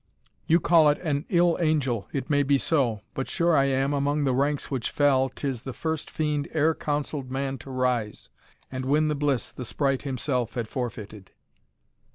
You call it an ill angel it may be so, But sure I am, among the ranks which fell, 'Tis the first fiend e'er counsell'd man to rise, And win the bliss the sprite himself had forfeited.